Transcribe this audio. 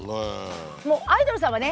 アイドルさんはね